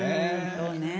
そうね。